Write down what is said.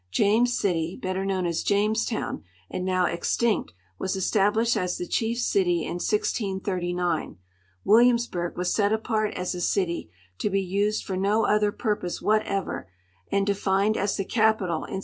James City, better knoAvn as JamestoAvn, and now extinct, was established as the chief city in 1639. W'illiamsburg Avns set apart as a city, to l)c used for no other i>ur])Ose Avhatever, aiul (hJined as the ca})ital in 16!)